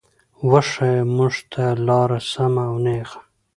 وښايه مونږ ته لاره سمه او نېغه